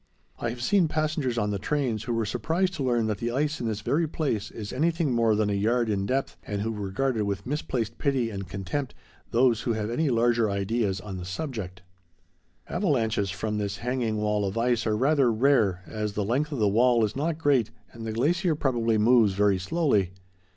I have seen passengers on the trains who were surprised to learn that the ice in this very place is anything more than a yard in depth, and who regarded with misplaced pity and contempt those who have any larger ideas on the subject. Avalanches from this hanging wall of ice are rather rare, as the length of the wall is not great and the glacier probably moves very slowly.